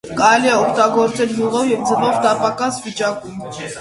Կարելի է օգտագործել յուղով և ձվով տապակած վիճակում։